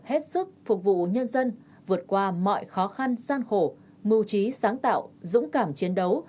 hết sức phục vụ nhân dân vượt qua mọi khó khăn gian khổ mưu trí sáng tạo dũng cảm chiến đấu